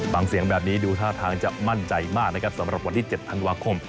ฟังเสียงแบบนี้ดูท่าทางจะมั่นใจมากนะครับสำหรับวันที่๗ธันวาคม